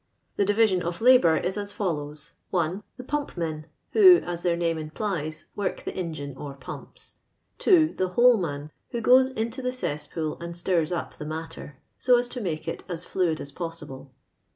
The divition of labmtr is as follows :— I 1. The pumpmen, who, as their name im plies, woric the engine or pumps. 2. The holeman, who goes into the eesspool and stirs up the matter, so as to make it as fluid as possible.